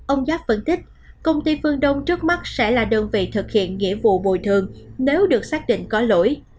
ông giáp phân tích công ty phương đông trước mắt sẽ là đơn vị thực hiện nghĩa vụ bồi thường nếu được xác định có lỗi